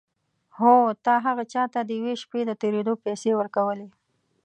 هو تا هغه چا ته د یوې شپې د تېرېدو پيسې ورکولې.